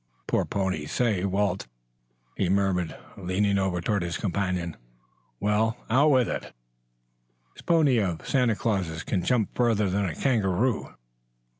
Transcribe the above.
Poor pony! Say, Walt," he murmured, leaning over toward his companion. "Well, out with it!" "This pony of Santa Claus's can jump further than a kangaroo."